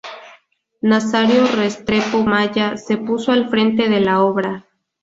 Nazario Restrepo Maya se puso al frente de la obra.